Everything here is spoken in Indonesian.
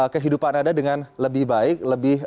kehidupan anda dengan lebih baik lebih